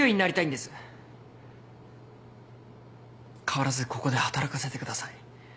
変わらずここで働かせてください。